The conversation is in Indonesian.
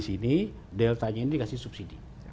sini deltanya ini dikasih subsidi